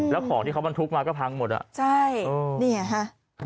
แล้วของที่เขาบรรทุกข์มาก็พังหมดน่ะโอ้โฮใช่นี่เหรอฮะ